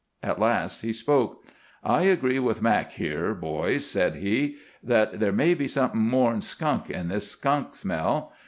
At last he spoke. "I agree with Mac here, boys," said he, "that there may be somethin' more'n skunk in this skunk smell.